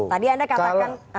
tadi anda katakan